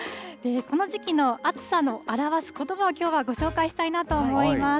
この時期の暑さを表すことばをきょうはご紹介したいなと思います。